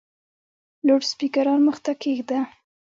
لوډسپیکران مخ ته کښېږده !